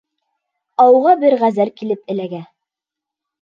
Ауға бер ғәзәл килеп эләгә.